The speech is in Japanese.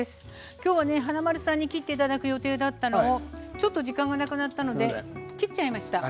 今日は華丸さんに切っていただく予定だったのをちょっと時間がなくなったので切っちゃいました。